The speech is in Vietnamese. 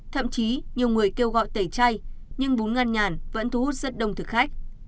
thậm chí nhiều người kêu gọi tẩy chay nhưng bún ngăn nhàn vẫn thu hút rất đông thực khách